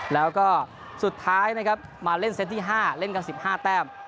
แล้วก็สุดท้ายนะครับมาเล่นเซตที่๕เล่นกัน๑๕แต้ม